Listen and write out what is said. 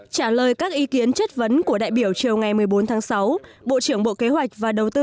trả lời các ý kiến chất vấn của đại biểu chiều ngày một mươi bốn tháng sáu bộ trưởng bộ kế hoạch và đầu tư